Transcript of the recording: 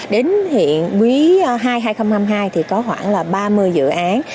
đến hiện quý hai hai nghìn hai mươi hai thì có khoảng là ba mươi dự án